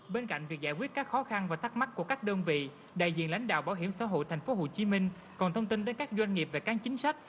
bên cạnh việc giải quyết các khó khăn và thắc mắc của các đơn vị đại diện lãnh đạo bảo hiểm xã hội thành phố hồ chí minh còn thông tin đến các doanh nghiệp về các chính sách